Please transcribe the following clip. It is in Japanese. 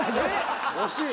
惜しい。